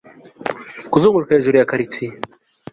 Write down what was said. kuzunguruka hejuru ya karitsiye